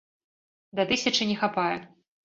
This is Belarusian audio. Да тысячы не хапае.